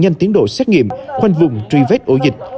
nhanh tiến độ xét nghiệm khoanh vùng truy vết ổ dịch